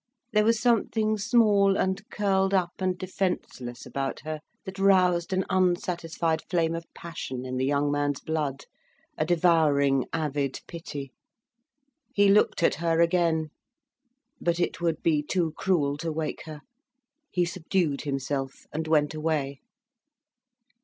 There was something small and curled up and defenceless about her, that roused an unsatisfied flame of passion in the young man's blood, a devouring avid pity. He looked at her again. But it would be too cruel to wake her. He subdued himself, and went away.